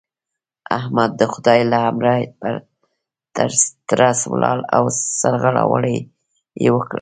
احمد د خدای له امره په ترڅ ولاړ او سرغړاوی يې وکړ.